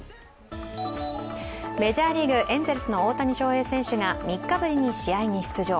メジャーリーグ、エンゼルスの大谷翔平選手が３日ぶりに試合に出場。